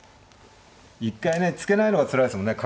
一回ね突けないのがつらいですもんね。